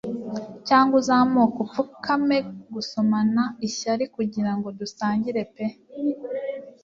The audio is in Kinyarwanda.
Cyangwa uzamuke apfukame gusomana ishyari kugirango dusangire pe